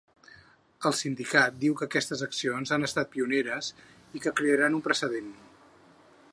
El sindicat diu que aquestes accions han estat “pioneres” i que crearan un precedent.